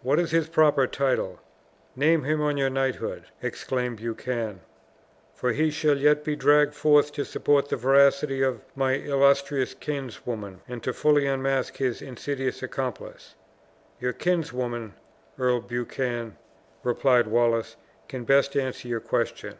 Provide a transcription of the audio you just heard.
"What is his proper title? Name him, on your knighthood!" exclaimed Buchan; "for he shall yet be dragged forth to support the veracity of my illustrious kinswoman, and to fully unmask his insidious accomplice!" "Your kinswoman, Earl Buchan," replied Wallace, "can best answer your question."